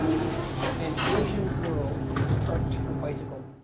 An Asian girl has parked her bicycle